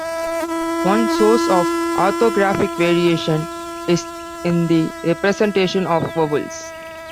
One source of orthographic variation is in the representation of vowels.